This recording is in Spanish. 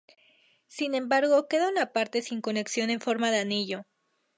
Sin embargo queda una parte sin conexión en forma de anillo.